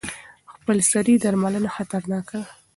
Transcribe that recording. خپلسري درملنه خطرناکه ده.